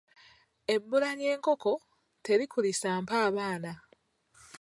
Ebbula ly’enkoko, terikuliisa mpaabaana.